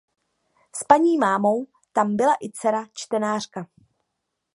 S panímámou tam byla i dcera čtenářka.